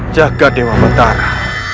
jaga dewa betara